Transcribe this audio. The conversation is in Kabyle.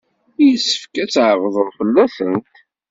Yessefk ad tbeɛɛdeḍ fell-asent.